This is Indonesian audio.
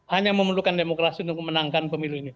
hanya memerlukan demokrasi untuk memenangkan pemilu ini